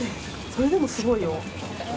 それでもすごいよ。